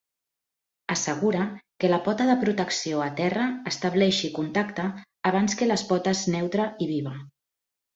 Assegura que la pota de protecció a terra estableixi contacte abans que les potes neutra i viva.